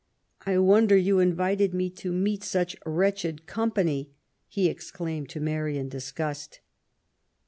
" I wonder you invited me to meet such wretched company,*' he ex claimed to Mary in disgust.